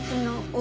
お！